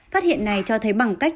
phát hiện này cho thấy bằng cách